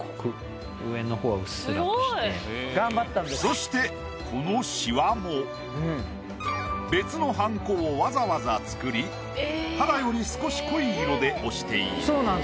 そしてこのシワも別のはんこをわざわざ作り肌より少し濃い色で押している。